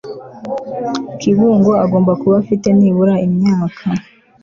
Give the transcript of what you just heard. kibungo agomba kuba afite nibura imyaka